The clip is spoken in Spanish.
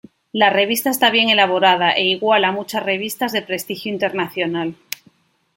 La revista está bien elaborada e iguala a muchas revistas de prestigio internacional.